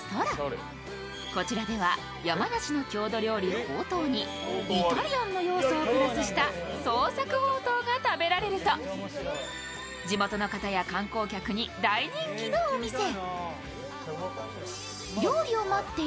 こちらでは山梨の郷土料理ほうとうにイタリアンの要素をプラスした創作ほうとうが食べられると地元の方や観光客に大人気のお店。